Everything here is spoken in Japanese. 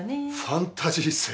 ファンタジー性？